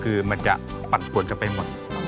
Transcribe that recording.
คือมันจะปัดปวดกันไปหมด